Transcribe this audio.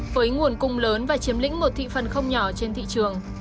với nguồn cung lớn và chiếm lĩnh một thị phần không nhỏ trên thị trường